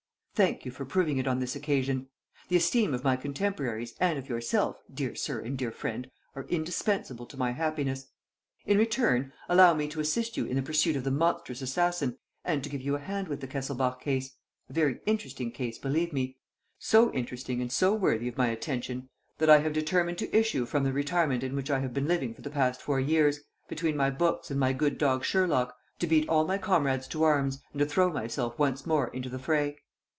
Thank you for proving it on this occasion. The esteem of my contemporaries and of yourself, dear sir and dear friend, are indispensable to my happiness. "In return, allow me to assist you in the pursuit of the monstrous assassin and to give you a hand with the Kesselbach case, a very interesting case, believe me: so interesting and so worthy of my attention that I have determined to issue from the retirement in which I have been living for the past four years, between my books and my good dog Sherlock, to beat all my comrades to arms and to throw myself once more into the fray.